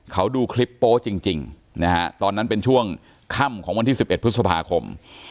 เขาดูคลิปโป๊จริงนะฮะตอนนั้นเป็นช่วงค่ำของวันที่๑๑พฤษภาคม